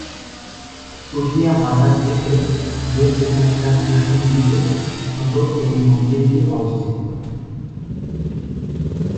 পুঠিয়া বাজার থেকে দেড় কি:মি: পশ্চিম দিকে ছোট এই মন্দিরটি অবস্থিত।